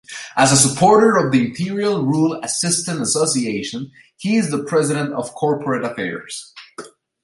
As a supporter of the Imperial Rule Assistance Association, he is the President of Corporate Affairs.